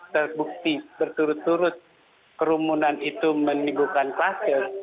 terbukti berturut turut kerumunan itu menimbulkan kluster